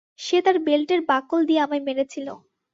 সে তার বেল্টের বাকল দিয়ে আমায় মেরেছিল।